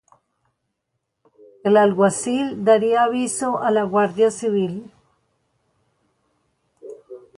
El alguacil daría aviso a la Guardia Civil.